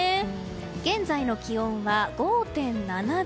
現在の気温は５．７度。